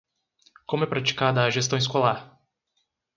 Como é praticada a gestão escolar